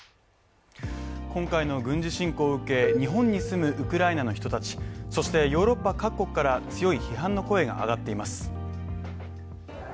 今回の軍事侵攻を受け、日本に住むウクライナの人たち、そしてヨーロッパ各国から強い批判の声が上がっています。